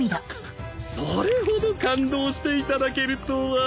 それほど感動していただけるとは。